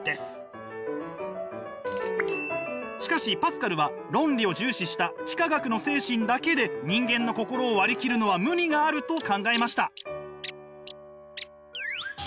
しかしパスカルは論理を重視した幾何学の精神だけで人間の心を割り切るのは無理があると考えました。